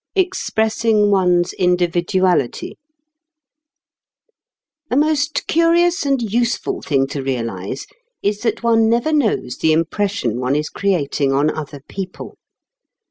II EXPRESSING ONE'S INDIVIDUALITY A most curious and useful thing to realize is that one never knows the impression one is creating on other people.